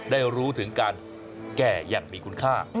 ได้รู้ถึงการแก่อย่างมีคุณค่า